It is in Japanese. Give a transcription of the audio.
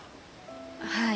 はい。